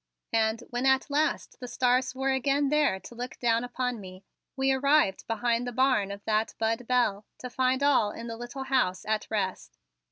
And, when at last the stars were again there to look down upon me, we arrived behind the barn of that Bud Bell to find all in the little house at rest.